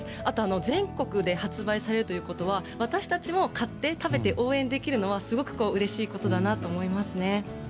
あと、全国で発売されるということは私たちも買って、食べて、応援できるのはすごくうれしいことだなと思いますね。